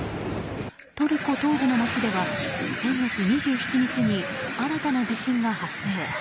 トルコ東部の街では先月２７日に新たな地震が発生。